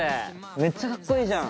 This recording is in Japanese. めっちゃカッコいいじゃん。